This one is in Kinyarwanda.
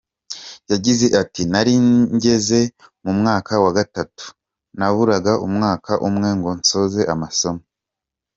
Yagize ati “Nari ngeze mu mwaka wa Gatatu, naburaga umwaka umwe ngo nsoze amasomo.